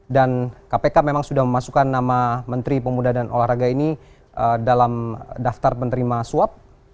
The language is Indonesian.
dan kpk memang sudah memasukkan nama menteri pemuda dan olahraga ini dalam daftar menerima swap